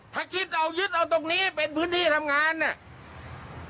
ถ้าคิดเอายึดเอาตรงนี้เป็นพื้นที่ทำงานเนี่ย